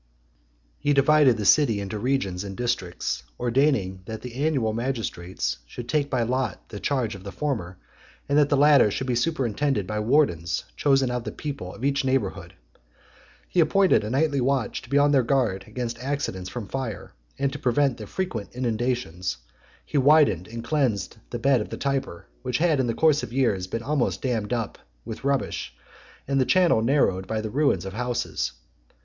(94) XXX. He divided the city into regions and districts, ordaining that the annual magistrates should take by lot the charge of the former; and that the latter should be superintended by wardens chosen out of the people of each neighbourhood. He appointed a nightly watch to be on their guard against accidents from fire; and, to prevent the frequent inundations, he widened and cleansed the bed of the Tiber, which had in the course of years been almost dammed up with rubbish, and the channel narrowed by the ruins of houses .